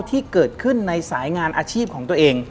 ที่เกิดขึ้นในสายงานอาชีพของตัวเอง